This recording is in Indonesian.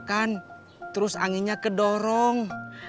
kan terus anginnya kedorong